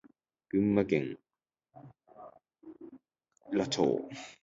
群馬県邑楽町